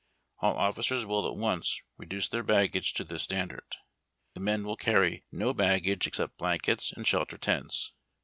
All officers will at once reduce their baggage to this standard. The men will carry no baggage except blankets and shelter tents.